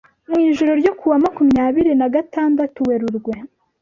mu ijoro ryo ku wa makumyabiri nagatandatu Werurwe